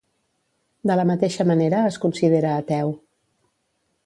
De la mateixa manera es considera ateu.